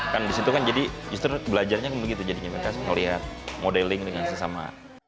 kan disitu kan jadi justru belajarnya begitu jadi mereka melihat modeling dengan sesama